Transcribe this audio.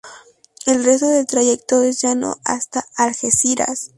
El resto del trayecto es llano hasta Algeciras.